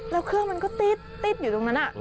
แล้วเครื่องมันก็ติดอยู่ตรงนั้น